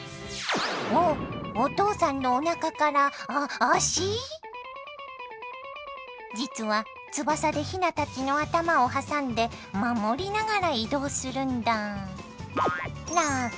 おお父さんの実は翼でヒナたちの頭を挟んで守りながら移動するんだ。